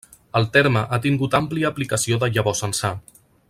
El terme ha tingut àmplia aplicació de llavors ençà.